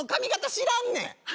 知らんねん！